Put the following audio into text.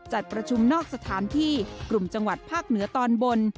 จัดประชุมนอกสถานที่กลุ่มจังหวัดภาคเหนือตอนบน